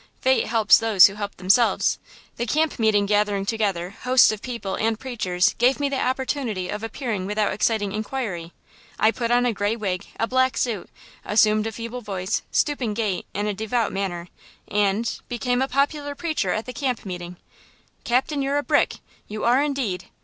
Fate helps those who help themselves! The camp meeting gathering together hosts of people and preachers gave me the opportunity of appearing without exciting inquiry. I put on a gray wig, a black suit, assumed a feeble voice, stooping gait and a devout manner, and–became a popular preacher at the camp meeting." "Captain, you're a brick! You are indeed!